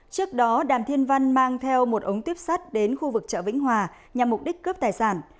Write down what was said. trước đó đàm thiên văn mang theo một ống tuyếp sắt đến khu vực chợ vĩnh hòa nhằm mục đích cướp tài sản